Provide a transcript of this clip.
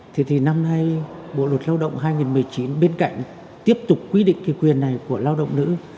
thế thì năm nay bộ luật lao động hai nghìn một mươi chín bên cạnh tiếp tục quy định cái quyền này của lao động nữ